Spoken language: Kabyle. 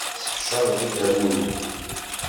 Tessefcaleḍ deg Dda Lmulud.